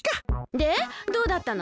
でどうだったの？